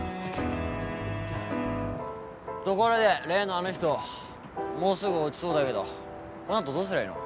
ところで例のあの人もうすぐ落ちそうだけどこの後どうすりゃいいの？